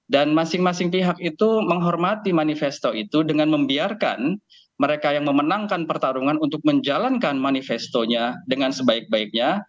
dan masing masing pihak itu menghormati manifesto itu dengan membiarkan mereka yang memenangkan pertarungan untuk menjalankan manifestonya dengan sebaik baiknya